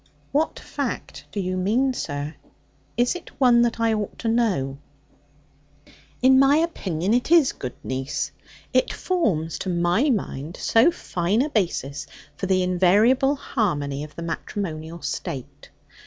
'What fact do you mean, sir? Is it one that I ought to know?' 'In my opinion it is, good niece. It forms, to my mind, so fine a basis for the invariable harmony of the matrimonial state.